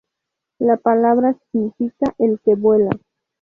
La palabra significa "el que vuela".